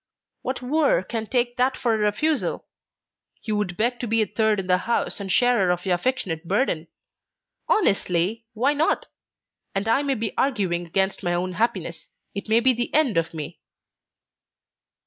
"What wooer would take that for a refusal? He would beg to be a third in the house and sharer of your affectionate burden. Honestly, why not? And I may be arguing against my own happiness; it may be the end of me!"